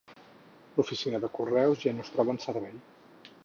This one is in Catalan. L"oficina de correus ja no es troba en servei.